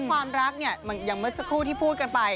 ความรักเนี่ยอย่างเมื่อสักครู่ที่พูดกันไป